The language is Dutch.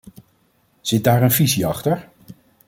Zit daar een visie achter?